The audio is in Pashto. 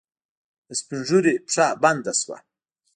د سپينږيري پښه بنده شوه.